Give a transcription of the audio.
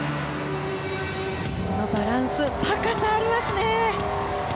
バランス高さありますね。